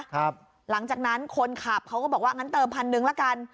หลังจากนั้นคนขับเขาก็บอกว่างั้นเติมพันหนึ่งละกัน